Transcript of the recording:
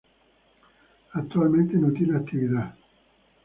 Actualmente no tiene actividad.